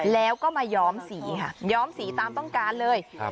แล้วก็มาย้อมสีค่ะย้อมสีตามต้องการเลยครับ